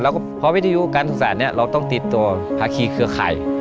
แล้วก็เพราะวิทยุการสื่อสารนี้เราต้องติดตัวภาคีเครือไข่